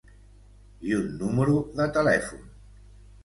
I un número de telèfon.